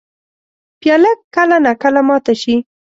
پیاله کله نا کله ماته شي.